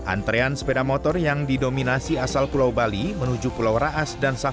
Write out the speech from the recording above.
antrian sepeda motor yang didominasi asal pulau bali menuju pulau raja jawa timur dan jawa barat